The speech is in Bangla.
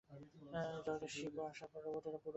যার্গ শিপ আসার পর, রোবটেরা পুরো এলাকাটাকে ঘীরে ফেলে।